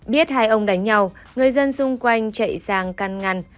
biết hai ông đánh nhau người dân xung quanh chạy sang căn ngăn